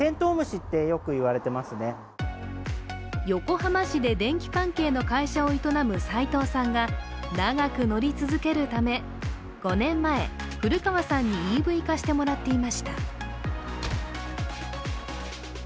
横浜市で電気関係の会社を営む斉藤さんが長く乗り続けるため、５年前古川さんにＥＶ化してもらっていました。